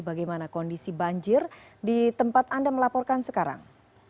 bagaimana kondisi banjir di tempat anda melaporkan sekarang